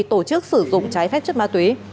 tổ chức sử dụng trái phép chất ma túy